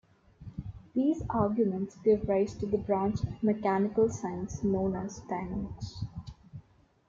These arguments gave rise to the branch of mechanical science known as dynamics.